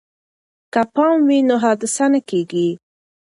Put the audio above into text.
که پام وي نو حادثه نه کیږي.